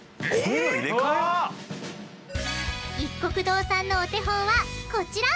いっこく堂さんのお手本はこちら！